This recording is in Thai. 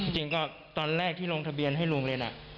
จริงก็ตอนแรกที่ลงทะเบียนให้โรงเรียน